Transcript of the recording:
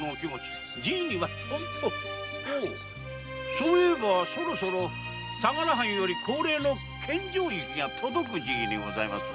そういえばそろそろ相良藩より恒例の献上雪が届く時期にございますな。